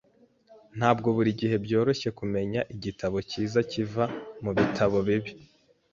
Ntabwo buri gihe byoroshye kumenya igitabo cyiza kiva mubitabo bibi.